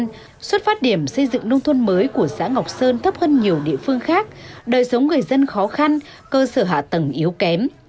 tuy nhiên xuất phát điểm xây dựng nông thôn mới của xã ngọc sơn thấp hơn nhiều địa phương khác đời sống người dân khó khăn cơ sở hạ tầng yếu kém